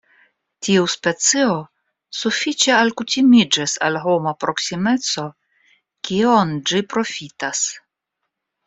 Tiu specio sufiĉe alkutimiĝis al homa proksimeco, kion ĝi profitas.